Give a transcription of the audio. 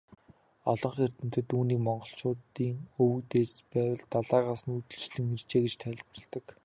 Олонх эрдэмтэд үүнийг монголчуудын өвөг дээдэс Байгал далайгаас нүүдэллэн иржээ гэж тайлбарладаг.